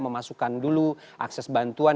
memasukkan dulu akses bantuan